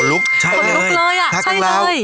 ขนลุกเลยอ่ะใช่เลย